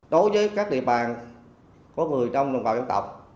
đối với các địa bàn có người trong đồng bào dân tộc